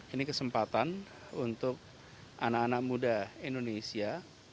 ini kesempatan untuk anak anak muda indonesia